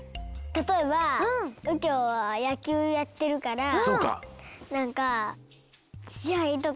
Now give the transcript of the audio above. たとえばうきょうはやきゅうやってるからなんかしあいとか。